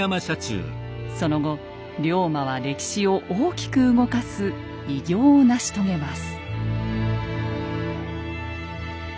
その後龍馬は歴史を大きく動かす偉業を成し遂げます。